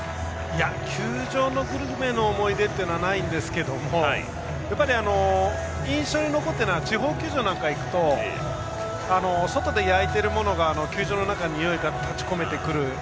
球場グルメの思い出はないんですけどやっぱり印象に残っているのは地方球場なんかに行くと外で焼いているものが球場の中ににおいが立ち込めてくる。